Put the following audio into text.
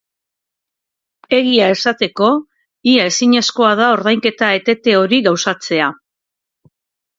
Egia esateko, ia ezinezkoa da ordainketa etete hori gauzatzea.